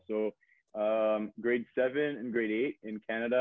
jadi grade tujuh dan grade delapan di canada